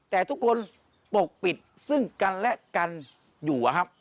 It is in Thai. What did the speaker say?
แต่ทุกคนปกปิดซึ่งกันและกันอยู่